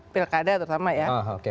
pilkada terutama ya